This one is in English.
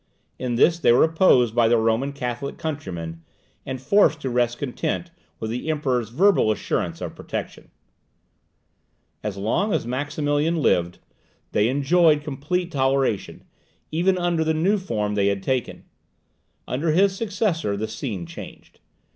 In this they were opposed by their Roman Catholic countrymen, and forced to rest content with the Emperor's verbal assurance of protection. As long as Maximilian lived, they enjoyed complete toleration, even under the new form they had taken. Under his successor the scene changed.